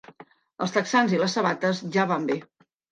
Els texans i les sabates ja van bé.